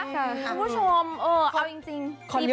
คุณผู้ชมเอาจริง